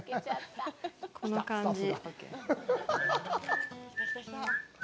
この感じ。